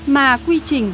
mà quy trình